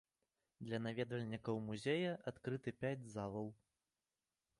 Для наведвальнікаў музея адкрыты пяць залаў.